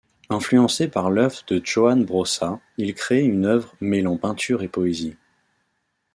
Influencé par l'œuvre de Joan Brossa, il crée une œuvre mêlant peinture et poésie.